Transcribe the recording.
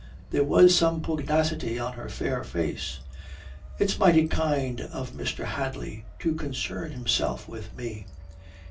There was some pugnacity on her fair face. "It's mighty kind of Mr. Hadley to concern himself with me."